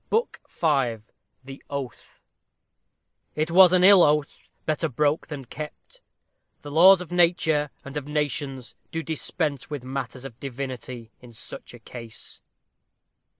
BOOK V THE OATH It was an ill oath better broke than kept The laws of nature, and of nations, do Dispense with matters of divinity In such a case.